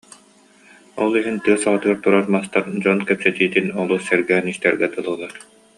Ол иһин тыа саҕатыгар турар мастар дьон кэпсэтиитин олус сэргээн истэргэ дылылар